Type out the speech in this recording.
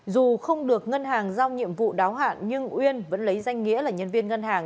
dù không được ngân hàng giao nhiệm vụ đáo hạn nhưng uyên vẫn lấy danh nghĩa là nhân viên ngân hàng